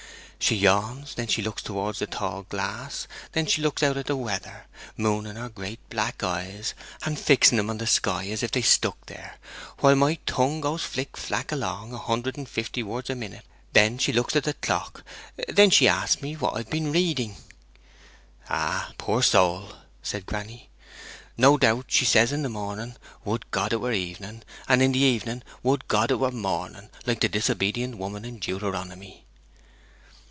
She yawns; then she looks towards the tall glass; then she looks out at the weather, mooning her great black eyes, and fixing them on the sky as if they stuck there, while my tongue goes flick flack along, a hundred and fifty words a minute; then she looks at the clock; then she asks me what I've been reading.' 'Ah, poor soul!' said granny. 'No doubt she says in the morning, "Would God it were evening," and in the evening, "Would God it were morning," like the disobedient woman in Deuteronomy.'